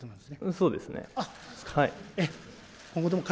そうですか。